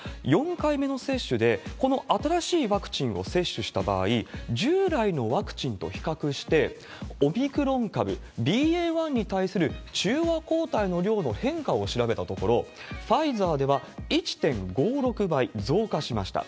４回目の接種で、この新しいワクチンを接種した場合、従来のワクチンと比較して、オミクロン株ＢＡ．１に対する中和抗体の量の変化を調べたところ、ファイザーでは１．５６倍増加しました。